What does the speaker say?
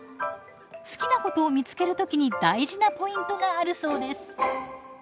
好きなことを見つける時に大事なポイントがあるそうです。